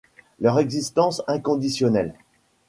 Leur existence inconditionnelle.